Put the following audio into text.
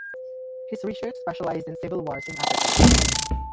His research specialized in civil wars in Africa.